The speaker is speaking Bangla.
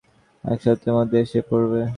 এক সপ্তাহের মধ্যেই এসে পড়বে।